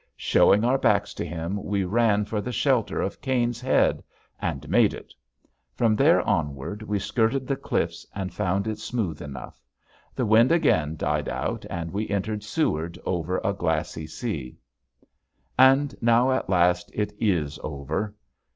Showing our backs to him we ran for the shelter of Caine's Head and made it. From there onward we skirted the cliffs and found it smooth enough. The wind again died out and we entered Seward over a glassy sea. And now at last it is over.